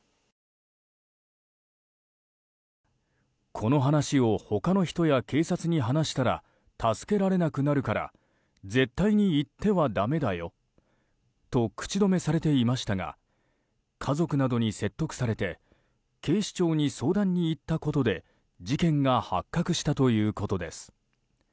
この話を他の人や警察に話したら助けられなくなるから絶対に言ってはだめだよと口止めされていましたが家族などに説得されて警視庁に相談に行ったことで事件が発覚したということです。